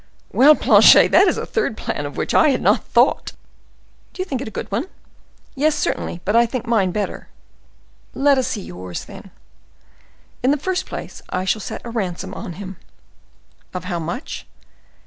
"Well, Planchet, that is a third plan, of which I had not thought." "Do you think it a good one?" "Yes, certainly, but I think mine better." "Let us see yours, then." "In the first place, I shall set a ransom on him." "Of how much?"